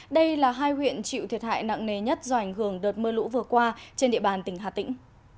đây là hai huyện chịu thiệt hại nặng nề nhất do ảnh hưởng đợt mưa lũ vừa qua trên địa bàn tỉnh hà tĩnh